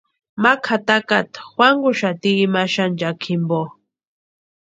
Ma kʼatakata juankuxati imani xanchakini jimpo.